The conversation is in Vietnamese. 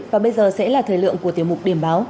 và bây giờ sẽ là thời lượng của tiểu mục điểm báo